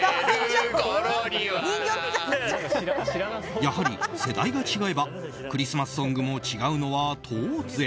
やはり世代が違えばクリスマスソングも違うのは当然。